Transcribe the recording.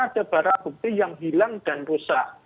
ada barang bukti yang hilang dan rusak